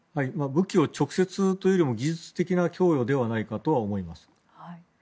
武器を直接というよりも技術的な供与ではないかと思います。